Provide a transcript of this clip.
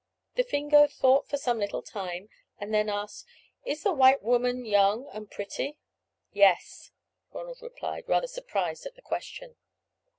The Fingo thought for some little time, and then asked: "Is the white woman young and pretty?" "Yes," Ronald replied, rather surprised at the question.